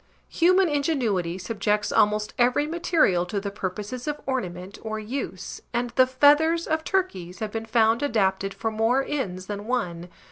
Human ingenuity subjects almost every material to the purposes of ornament or use and the feathers of turkeys have been found adapted for more ends than one.